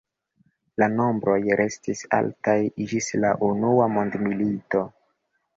La nombroj restis altaj ĝis la Unua mondmilito.